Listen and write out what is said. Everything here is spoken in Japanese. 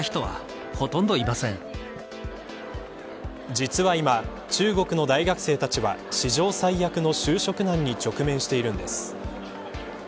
実は今、中国の大学生たちは史上最悪の就職難に直面しているんです。